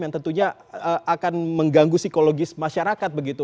yang tentunya akan mengganggu psikologis masyarakat begitu